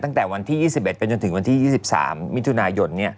ตั้งแต่วันที่๒๑ไปจนถึงวันที่๒๓มิถุนายน